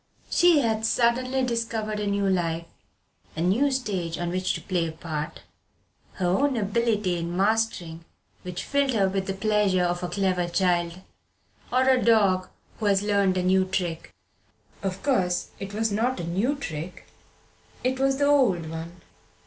She had suddenly discovered a new life a new stage on which to play a part, her own ability in mastering which filled her with the pleasure of a clever child, or a dog who has learned a new trick. Of course, it was not a new trick; it was the old one.